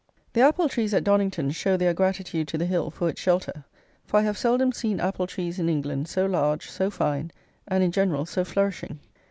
The apple trees at Donnington show their gratitude to the hill for its shelter; for I have seldom seen apple trees in England so large, so fine, and, in general, so flourishing.